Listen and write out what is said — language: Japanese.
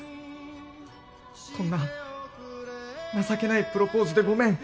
こんな情けないプロポーズでごめん。